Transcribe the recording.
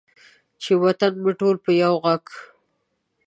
چې وطن مې ټول په یو ږغ،